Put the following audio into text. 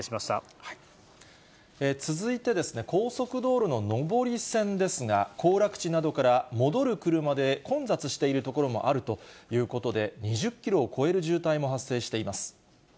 続いて、高速道路の上り線ですが、行楽地などから戻る車で混雑している所もあるということで、２０キロを超える渋滞も発生しています。